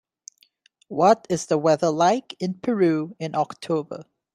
What is the weather like in Peru in October